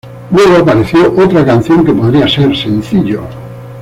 Luego apareció otra canción que podría ser sencillo.